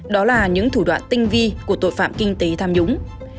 đó là những thủ đoạn tinh vi của tội phạm kinh tế tham nhũng